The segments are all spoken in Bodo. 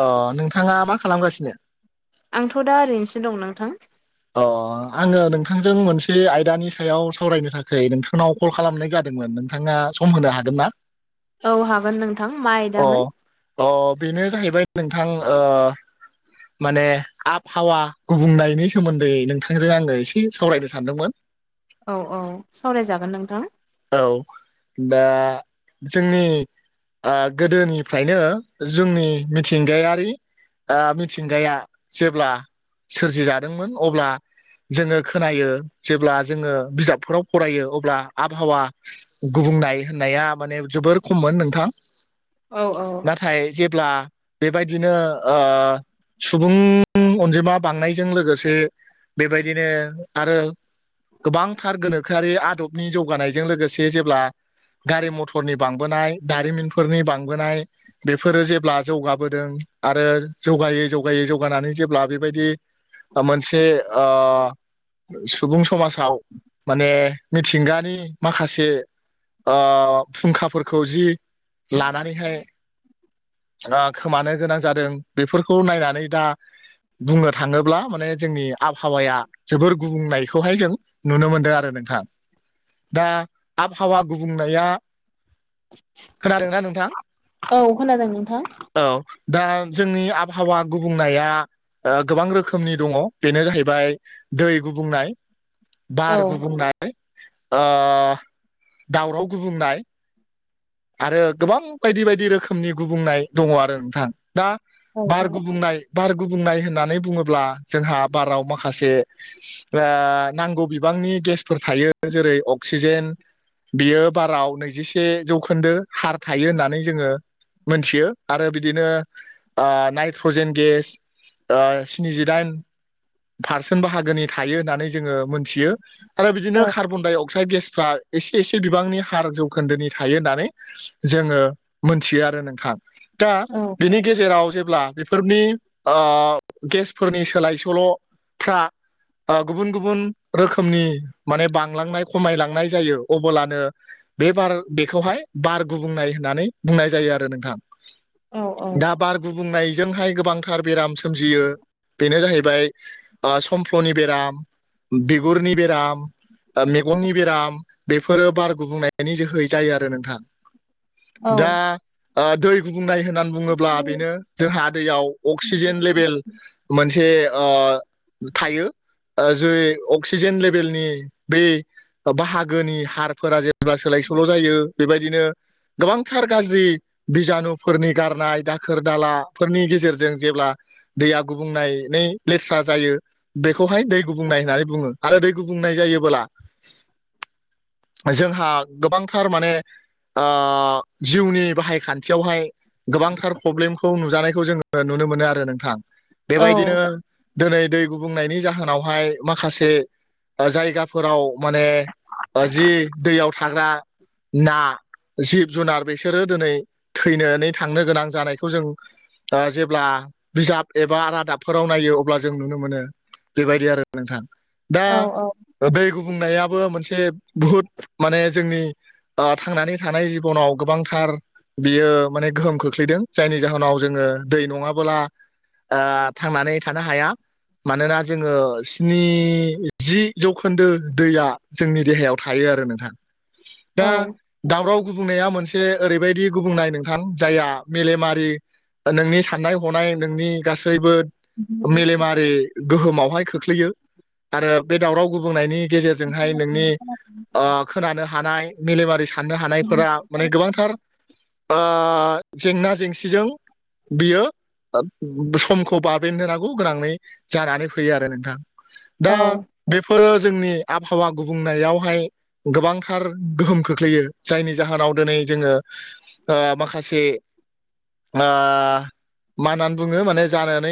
अ नोंथाङा मा खालामगासिनो? आंथ' दा ओरैनोसो दं नोंथां। अ आङो नोंथांजों मोनसे आयदानि सायाव सावरायनो थाखाय नोंथांनाव कल खालामनाय जादोंमोन नोंथाङा सम होनो हागोन ना? औ हागोन नोंथां मा अ आयदामोन? अ बेनो जाहैबाय नोंथां ओ माने आबहावा गुबुंनायनि सोमोन्दै नोंथांजों आङो एसे सावरायनो सानदोंमोन। औ औ सावरायजागोन नोंथां। औ दा जोंनि ओ गोदोनिफ्रायनो जोंनि मिथिंगायारि ओ मिथिंगाया जेब्ला सोरजिादोंमोन अब्ला जोङो खोनायो जेब्ला जोङो बिजाबफोराव फरायो अब्ला आबहावा गुबुंनाय होननाया माने जोबोर खममोन नोंथां। औ औ औ नाथाय जेब्ला बेबायदिनो ओ सुबुं अनजिमा बांनायजों लोगोसे बेबायदिनो आरो गोबांथार गोनोखोआरि आदबनि जौगानायजों लोगोसे जेब्ला गारि मथरनि बांबोनाय दारिमिनफोरनि बांबोनाय बेफोरो जेब्ला जौगाबोदों आरो जौगायै जौगायै जौगानानै जेब्ला बेबायदि ओ मोनसे ओ सुबुं समाजाव माने मिथिंगानि माखासे ओ फुंखाफोरखौ जि लानानैहाय ओ खोमानो गोनां जादों बेफोरखौ नायनानै दा बुंनो थाङोब्ला माने जोंनि आबहावाया जोबोर गुबुंनायखौहाय जों नुनो मोनदों आरो नोंथां। दा आबहावा गुबुंनाया खोनादोंना नोंथां? औ खोनादों नोंथां औ दा जोंनि आबहावा गुबुंनाया गोबां रोखोमनि दङ बेनो जाहैबाय दै गुबुंनाय औ बार गुबुंनाय ओ दावराव गुबुंनाय आरो गोबां बायदि बायदि रोखोमनि गुबुंनाय दङ आरो नोंथां दा औ बार औ गुबुंनाय बार गुबुंनाय होननानै बुङोब्ला जोंहा बाराव माखासे ओ नांगौ बिबांनि गेसफोर थायो जेरै अक्सिजेन। बियो बाराव नैजिसे जौ खोन्दो हार थायो होननानै जोङो मोनथियो आरो बिदिनो ओ नाइट्रजेन गेस ओ स्निजिदाइन पारसेन्ट बाहागोनि थायो होननानै जोङो मोनथियो। आरो बिदिनो औ कार्बन डाइ अक्साइद गेसफ्रा एसे एसे बिबांनि हार जौखोन्दोनि था थायो होननानै जोङो मोनथियो आरो नोंथां। दा औ बेनि गेजेराव जेब्ला बेफोरनि ओ गेसफोरनि सोलाय सोल'फ्रा ओ गुबुन गुबुन रोखोमनि माने बांलांनाय खमायलांनाय जायो अब्लानो बे बार बेखौहाय बार गुबुंनाय होननानै बुंनाय जायो आरो नोंथां। औ दा बार गुबुंनायजोंहाय गोबांथार बेराम सोमजियो बेनो जाहैबाय ओ समफ्लनि बेराम बिगुरनि बेराम ओ मेगननि बेराम बेफोरो बार गुबुंनायनि जोहै जायो आरो नोंथां। औ दा दै गुबुंनाय होननानै बुङोब्ला बेनो जोंहा दैयाव अक्सिजेन लेभेल मोनसे ओ थायो। ओ जे अक्सिजेन लेभेलनि बे बाहागोनि हारफोरा जेब्ला सोलायसोल' जायो बेबायदिनो गोबांथार गाज्रि बिजानुफोरनि गारनाय दाखोर दालाफोरनि गेजेरजों जेब्ला दैया गुबुंनायनै लेथ्रा जायो बेखौहाय दै गुबुंनाय होननानै बुङो। आरो दै गुबुंनाय जायोबोब्ला जोंहा गोबांथार माने जिउनि बाहाय खान्थियावहाय गोबांथार प्रब्लेमखौ नुजानायखौ जोङो नुनो मोनो आरो नोंथां। औ बेबायदिनो दिनै दै गुबुंनायनि जाहोनावहाय माखासे ओ जायगाफोराव माने ओ जि दैयाव थाग्रा ना जिब जुनार बेसोरो दिनै थैनानै थांनो गोनां जानायखौ जों दा जेब्ला बिजाब एबा रादाबफोराव नायो अब्ला जों नुनो मोनो। बेबायदि आरो नोंथां। दा औ औ दै गुबुंनायाबो मोनसे बुहुद माने जोंनि ओ थांनानै थानाय जिबनाव गोबांथार बियो माने गोहोम खोख्लैदों जायनि जाहोनाव जोंङो दै नङाबोला ओ थांनानै थानो हाया। मानोना जोंङो स्निजि जौखोन्दो दैया जोंनि देहायाव थायो आरो नोंथां। दा दावराव गुबुंनाया मोनसे ओरैबायदि गुबुंनाय नोंथां जायहा मेलेमारि नोंनि साननाय हनाय नोंनि गासैबो मेलेमारि गोहोमावहाय खोख्लैयो आरो बे दावराव गुबुंनायनि गेजेर जोंहाय नोंनि ओ खोनानो हानाय मेलेमारि सान नो हानायफोरा माने गोबांथार ओ जेंना जेंसिजों बियो समखौ बाबेन होनांगौ गोनाङै जानानै फैयो आरो नोंथां। दा बेफोरो जोंनि आबहावा गुबुंनायावहाय गोबांथार गोहोम खोख्लैयो जायनि जाहोनाव दिनै जोंङो ओ माखासे ओ मा होननानै बुङो माने जानानै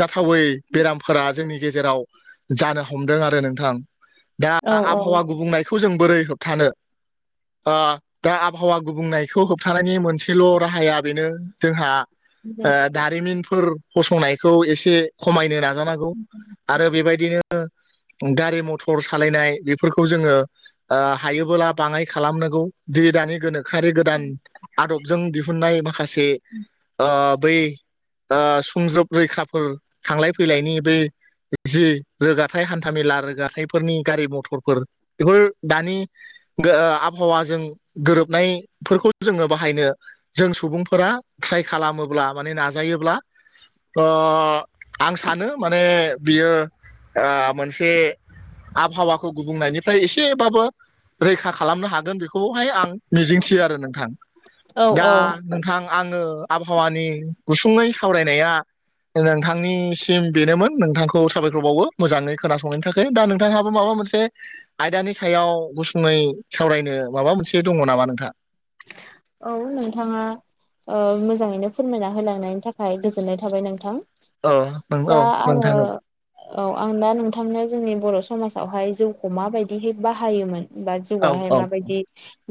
जाथावै बेरामफोरा जोंनि गेजेराव जानो हमदों आरो नोंथां। दा आबहावा गुबुंनायखौ जों बोरै होबथानो? ओ दा आबहावा गुबुंनायखौ होबथानायनि मोनसेल' राहाया बेनो जोंहा ओ दारिमिनफोर फसंनायखौ एसे खमायनो नां नाजानांगौ आरो बेबायदिनो गारि मथर सालायनाय बेफोरखौ जोंङो ओ हायोबोला बाङाय खालामनांगौ जि दानि गोनो खोआरि गोदान आदबजों दिहुननाय माखासे ओ बै ओ सुंजब रैखाफोर थांलाय फैलायनि बे जि रोगाथाइ हान्था मेला रोगाथाइफोरनि गारि मथरफोर बेफोर दानि ओ आबहावाजों गोरोबनायफोरखौ जोंङो बाहायनो जों सुबुंफोरा ट्राइ खालामोब्ला माने नाजायोब्ला ओ आं सानो माने बियो आ मोनसे आबहावाखौ गुबुंनायनि फ्राय एसेबाबो रैखा खालामनो हागोन बेखौहाय आं मिजिंथियो आरो नोंथां। दा औ नोंथां आंङो आबहावानि गुसुङै सावरायनाया नोंथांनिसिम बेनोमोन नोंथांखौ साबायखरबावो मोजाङै खोनासंनायनि थाखाय। दा नोंथांहाबो माबा मोनसे आयदानि सायाव गुसुङै सावरायनो माबा मोनसे दङ नामा नोंथां? औ नोंथाङा ओ मोजाङैनो फोरमायना होलांनायनि थाखाय गोजोननाय थाबाय नोंथां। औ दा [unintelligible] नोंथां आङो औ। औ आं दा नोंथांनो जोंनि बर' समाजावहाय जौखौ माबायदिहै बाहायोमोन? बा औ जौआहाय औ माबायदि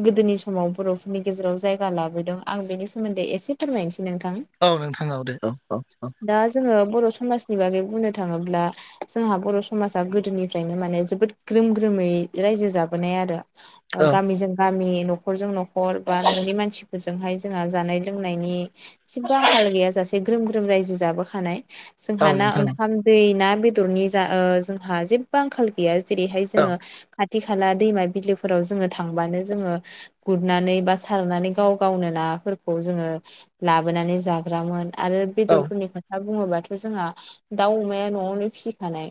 गोदोनि समाव बर' नि गेजेराव जायगा लाबोदों आं बेनि सोमोन्दै एसे फोरमायनसै नोंथां। औ नोंथां औ दे औ औ औ। दा जोङो बर' समाजनि बागै बुंनो थाङोब्ला जोंहा बर' समाजा गोदोनिफ्रायनो माने जोबोद ग्रोम ग्रोमै रायजो जाबोनाय आरो। ओ औ गामिजों गामि न'खरजों न'खर बा न'नि मानसिफोरजोंहाय जोंहा जानाय लोंनायनि जेबो आखाल गैयाजासे ग्रोम ग्रोम रायजो जाबोखानाय। औ जोंहा ना नोंथां ओंखाम दै ना बेदरनि जा ओ जोंहा जेबो आंखाल गैया जेरैहाय औ जोङो खाथि खाला दैमा बिलोफोराव जोङो थांबानो जोङो गुर नानै बा सारनानै गाव गावनो नाफोरखौ जोङो लाबोनानै जाग्रामोन। आरो औ बेदरफोरनि खोथा बुङोबाथ' जोंहा दाउ अमाया न'आवनो फिसिखानाय।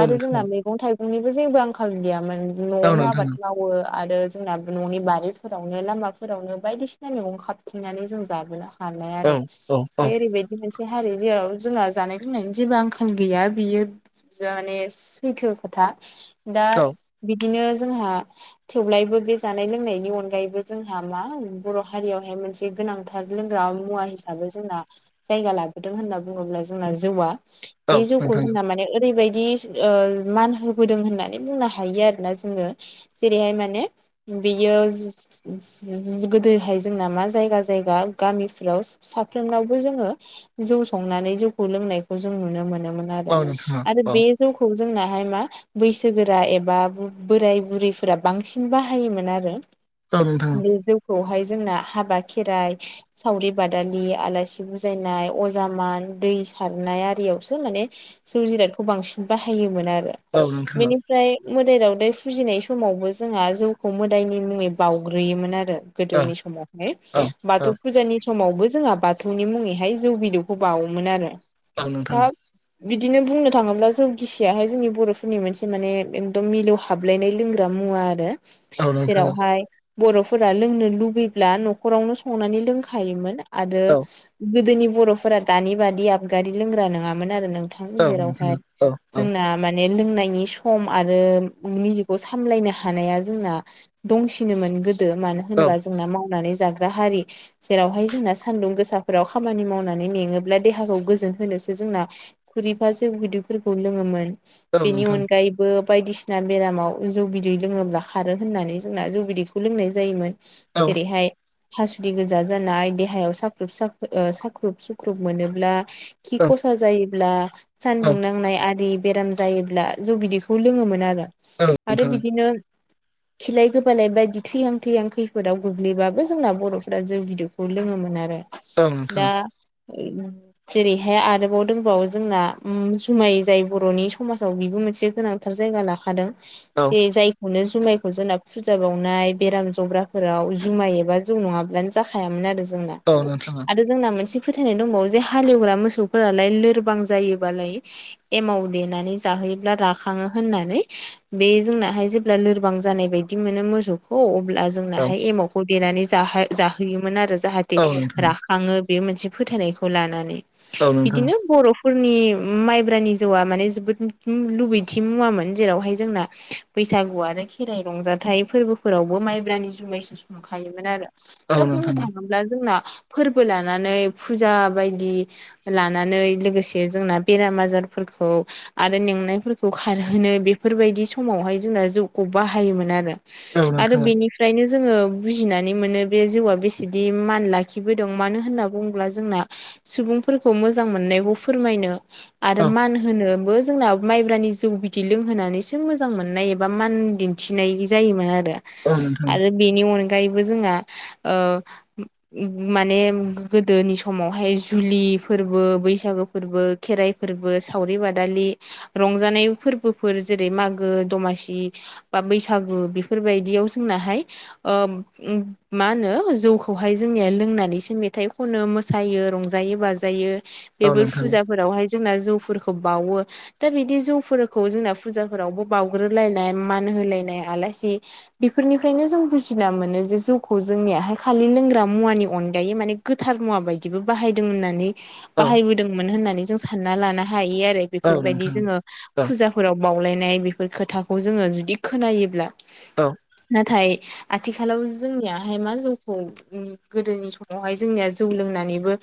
आरो नोंथां जोंना मेगं थाइगंनिबो जेबो आंखाल गैयामोन औ न'आवनो नोंथां आबाद माव वो आरो जोंना न'नि बारि फोरावनो लामाफोरावनो बायदिसिना मेगं खाबथिंनानै जों जाबोना सानो औ आरो औ औ बे ओरैबाय बे मोनसे हारि जेराव जोंहा जानाय लोंनायनि जेबो आंखाल गैया बियो जा माने सैथो खोथा दा बिदिनो जोंहा थेव्लायबो बे जानाय लोंनायनि अन गायैबो जोंहा मा बर' हारियावहाय मोनसे गोनांथार लोंग्रा मुवा हिसाबै जोंना जायगा लाबोदों होनना बुङोब्ला जोंना जौआ औ बे जौखौ नोंथां जोंना माने ओरैबायदि ओ मान होबोदों होननानै बुंनो हायो आरोना जोङो। जेरैहाय माने बियो गोदोहाय जों मा जायगा जायगा गामिफ्राव साफ्रोमनावबो जोङो जौ संनानै जौखौ लोंनायखौ जों नुनो मोनोमोन। आरो औ नोंथां आरो औ बे जौखौ जोंनाहाय मा बैसोगोरा एबा बोराय बुरैफोरा बांसिन बाहायोमोन आरो। [unintelligible] बे जौखौहाय जोंना हाबा खेराइ सावरि बादालि आलासि बुजायनाय अजा मान दै सारनाय आरियावसो माने जौ जिरादखौ बांसिन बाहायोमोन आरो। औ नोंथां औ। ओमफ्राय मोदाय दावदाइ फुजिनाय समावबो जोंहा जौखौ मोदायनि मुङै बावग्रोयोमोन आरो। औ गोदोनि समावहाय औ औ बाथौ फुजानि समावबो जोंहा बाथौनि मुङै हाय जौ बिदौखौ बावोमोन आरो। औ दा नोंथां बिदिनो बुंनो थाङोब्ला जौ गिसियाहाय जोंनि बर'फोरनि मोनसे माने एकदम मिलौ हा हाबलायनाय लोंग्रा मुवा आरो औ नोंथां औ नोंथां औ जेरावहाय बर'फोरा लोंनो लुबैब्ला न'खरावनो संनानै लोंखायोमोन आदो औ गोदोनि बर'फोरा दानि बादि आबगारि लोंग्रा नङामोन आरो नों थां औ जेरावहाय नोंथां औ जोंना माने लोंनायनि सम आरो निजेखौ सामलायनो हानाया जोंना दंसि सिनोमोन गोदो मानो औ नोंथां होनबा औ जोंना मावनानै जाग्रा हारि जेरावहाय जोंना सान्दुं गोसाफोराव खामानि मावनानै मेङोब्ला देहाखौ गोजोन होनोसो जोंना खुरिफा जौ बिदैफोरखौ लोङोमोन। नोंथां औ नोंथां औ नोंथां औ नोंथां औ नोंथां औ नोंथां औ नोंथां औ नोंथां औ नोंथां औ नोंथां औ बिनि नोंथां औ अनगायैबो बायदिसिना बेरामाव जौ बिदै लोङोब्ला खारो होननानै जोंना जौ बिदिखौ लोंनाय जायोमोन औ जेरैहाय हासुदै गोजा जानाय देहायाव साख्रुब साख ओ साख्रुब सुख्रुब मोनोब्ला खि खसा जायोब्ला सानदुं नांनाय आरि बेराम जायोब्ला जौ बिदैखौ लोङोमोन आरो आरो बिदिनो खिलाय गोब फोलाय बायदि थैहां थैहां खैफोदाव गोग्लैबाबो जोंना बर'फोरा जौ बिदौखौ लोङोमोन आरो। दा जेरैहाय आरोबाव दोंबावो जोंना उम जुमाय जाय बर'नि समासाव बिबो मोनसे गोनां थार जायगा लाखादों जे जायखौनो जुमायखौ जोंना फुजा बावनाय, बेराम जब्राफोराव जुमाय एबा जौ नङाब्लानो जाखायामोन आरो जोंना औ नोंथां औ। आरो जोंना मोनसे फोथायनाय दंबावो जे हालेवग्रा मोसौफोरालाय लोरबां जायोबालाय एमाव देनानै जाहोयोब्ला राखाङो होननानै। बे जोंनाहाय जेब्ला लोरबां जानाय बाय दि मोनो मोसौखौ अब्ला जोंनाहाय एमावखौ देनानै जाहो जाहोयोमोन आरो जाहा जे राखाङो बे मोनसे फोथायनायखौ लानानै बिदिनो बर' फोरनि माइब्रानि जौआ माने जोबोद लुबैथि मुवामोन जेरावहाय जोंना बैसागुआनो खेराइ रंजा नाथाय फोरबोफोरावबो माइब्रानि जुमायसो संखायोमोन आरो दा बुंनो थाङो ब्ला जोंना फोरबो लानानै फुजा बायदि लानानै लोगोसे जोंना बेराम आजारफोरखौ आरो मेंनायफोरखौ खारहोनो बेफोर बायदि समावहाय जोंना जौखौ बाहायोमोन आरो। आरो बिनि फ्रायनो जोंङो बुजिनानै मोनो बे जौआ बेसेदि मान लाखिबोदों मानो होनना बुङोब्ला जोंना सुबुंफोरखौ मोजां मोननायखौ फोरमायनो आरो मान होनोबो जोंना माइब्रानि जौ बिदै लोंहोनानैसो मोजां मोननाय एबा मान दिन्थिनाय जायोमोन आरो। औ नोंथां आरो बेनि अनगायैबो जोंहा ओ माने गोदोनि समावहाय जुलि फोरबो बैसागो फोरबो खेराइ फोरबो सावरि बादालि रंजानाय फोरबोफोर जेरै मागो दमासि बा बैसा गु बेफोरबायदियाव जोंनाहाय ओ मा होनो जौखौहाय जोंनिया लोंनानैसो मेथाइ खनो मो सायो रंजायो बाजायो बेफोर फुजाफोरावहाय जोंना जौफोरखौ बावो दा बिदि जौफोरखौ जोंना फुजाफोरावबो बावग्रोलायनाय मान होलायनाय आलासि बेफोरनिफ्रायनो जों बुजिना मोनो जे जौखौ जोंनियाहाय खालि लोंग्रा मुवानि अनगायै माने गोथार मुवा बायदिबो बाहायदों होननानै बाहायबोदोंमोन होननानै जों सानना लानो हायो आरो बेफोरबायदि जोंङो फुजाफोराव बावलायनाय बेफोर खोथाखौ जोंङो जुदि खोनायोब्ला नाथाय आथिखालाव जोंनियाहाय मा जौखौ गोदोनि समावहाय जोंनिया जौ लोंनानैबो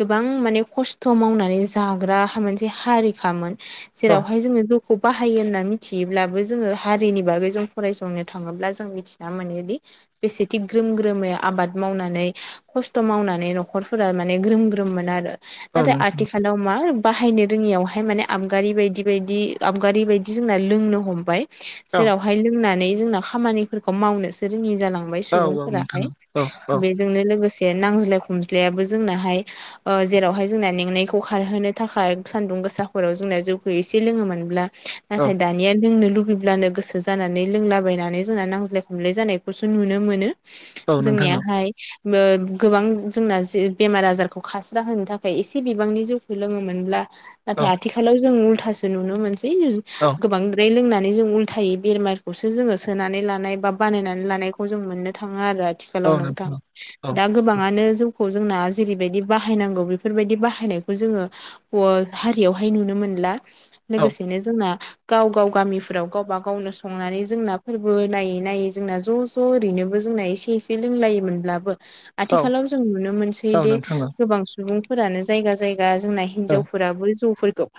गोबां माने खस्थ' मावनानै जाग्रा मोनसे हारिखामोन जेरावहाय जोंङो जौ'खौ बाहायो होन्ना मिथियोब्लाबो जोंङो हारिनि बागै जों फरायसंनो थाङोब्ला जों मिथिना मोनोदि बेसेदि ग्रोम ग्रोमै आबाद मावनानै खस्थ' मावनानै न'खरफोरा माने ग्रोम ग्रोम मोन आरो। नाथाय आथि खालाव मा बाहायनो रोङियावहाय माने आबगारि बायदि बायदि आबगारि बायदि जोंना लोंनो हमबाय। जेरावहाय लोंनानै जोंना खामानिफोरखौ मावनोसो रोङि जालांबाय सुबुंफोराहाय बेजोंनो लोगोसे नांज्लाय खमज्लायाबो जोंनाहाय ओ जेरावहाय जोंना मेंनायखौ खारहोनो थाखाय सान्दुं गोसाफोराव जोंना जौखौ एसे लोङोमोनब्ला नाथाय दानिया लोंनो लुबैब्लानो गोसो जानानै लोंलाबायनानै जोंना नांज्लाय खमलाय जानायखौसो नुनो मोनो औ नोंथां औ जोंनियाहाय ओ गोबां जोंना बेमार आजारखौ खास्रा होनो थाखाय एसे बिबांनि जौ लोङोमोनब्ला औ नाथाय आथिखालाव जों उल्थासो नुनो मोनसै औ गोबांद्राय लोंनानै जों उल्थायै बेमारखौसो जोंङो सोनानै लानाय बा बानायनानै लानायखौ जों मोननो थाङो आरो। आथिखालाव नोंथां औ दा गोबाङानो जौखौ जोंना जेरैबायदि बाहायनांगौ बेफोरबायदि बाहायनायखौ जोंङो हारियावहाय नुनो मोनला औ लोगोसेनो जोंना गाव गाव गामिफोराव गावबा गावनो संनानै जोंना फोरबो नायै नायै जोंना ज' ज' ओरैनोबो जोंना एसे एसे लोंलायोमोनब्लाबो आथिखालाव जों नुनो मोनसै औ दि नोंथां औ गोबां सुबुंफोरानो जायगा जायगा जोंना औ हिन्जावफोराबो जौफोरखौ